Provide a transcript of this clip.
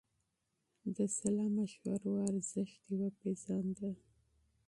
د سلا مشورو ارزښت يې پېژانده.